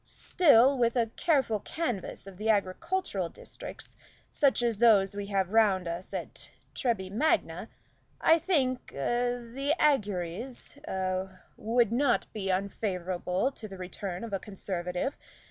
Still, with a careful canvass of the agricultural districts, such as those we have round us at Treby Magna, I think a the auguries a would not be unfavorable to the return of a Conservative.